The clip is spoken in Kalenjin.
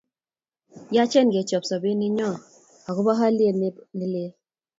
yachech kechop sobet nenyo akoba haliyet ne lel